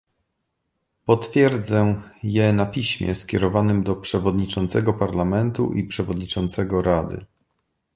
Potwierdzę je na piśmie skierowanym do przewodniczącego Parlamentu i przewodniczącego Rady